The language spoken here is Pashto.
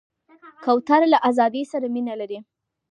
کوتره له آزادۍ سره مینه لري.